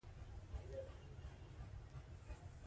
ړومبی د کونړ هغه ړوند سړي د نړۍ د رڼا اړوند بحث شروع کړ